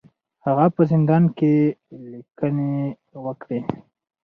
هغه په زندان کې لیکنې وکړې.